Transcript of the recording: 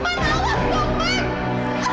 kamisya jangan pukul arman kak